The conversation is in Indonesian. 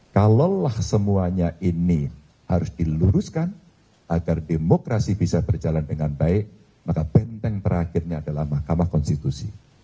kalaulah semuanya ini harus diluruskan agar demokrasi bisa berjalan dengan baik maka benteng terakhirnya adalah mahkamah konstitusi